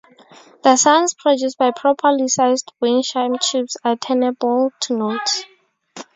The sounds produced by properly sized wind chime tubes are tunable to notes.